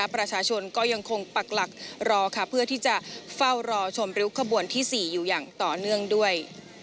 ประชาชนก็ยังคงปักหลักรอค่ะเพื่อที่จะเฝ้ารอชมริ้วขบวนที่๔อยู่อย่างต่อเนื่องด้วย